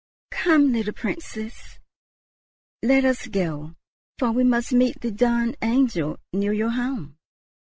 "Come, little Princess, let us go; for we must meet the dawn angel near your home."